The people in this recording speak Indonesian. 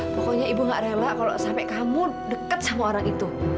pokoknya ibu gak rela kalau sampai kamu deket sama orang itu